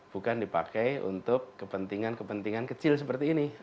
bukan dipakai untuk kepentingan kepentingan kecil seperti ini